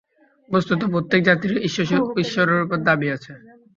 বস্তুত প্রত্যেক জাতিরই ঈশ্বরের উপর দাবী আাছে।